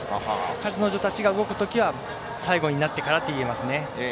彼女たちが動くときは最後になってくるなと思います。